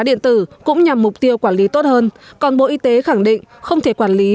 điện tử cũng nhằm mục tiêu quản lý tốt hơn còn bộ y tế khẳng định không thể quản lý